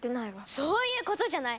そういうことじゃない！